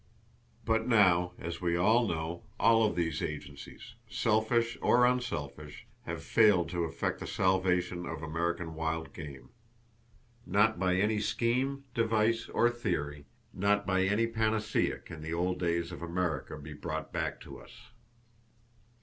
But now, as we know, all of these agencies, selfish or unselfish, have failed to effect the salvation of American wild game. Not by any scheme, device, or theory, not by any panacea can the old days of America be brought back to us.